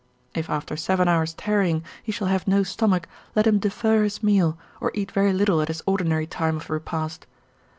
If after seven hours' tarrying he shall have no stomach, let him defer his meal, or eat very little at his ordinary time of repast.